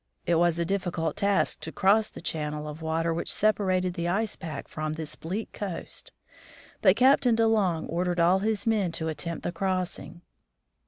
It was a diffi cult task to cross the channel of water which separated the ice pack from this bleak coast, but Captain De Long ordered all his men to attempt the crossing.